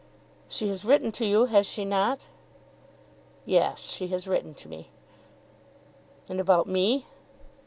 "She has written to you; has she not?" "Yes; she has written to me." "And about me?"